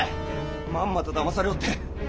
まんまとだまされおって。